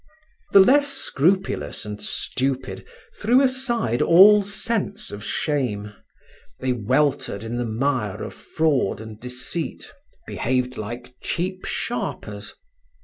The less scrupulous and stupid threw aside all sense of shame. They weltered in the mire of fraud and deceit, behaved like cheap sharpers.